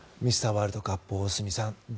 ワールドカップ大住さん。